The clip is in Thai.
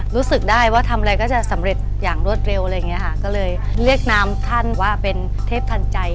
รู้สึกได้ว่าทำอะไรก็จะสำเร็จอย่างรวดเร็วอะไรอย่างเงี้ค่ะก็เลยเรียกนามท่านว่าเป็นเทพทันใจ